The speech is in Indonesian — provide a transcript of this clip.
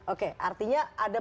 oke artinya ada